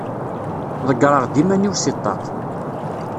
Ḍeggreɣ-d iman-iw si ṭṭaq.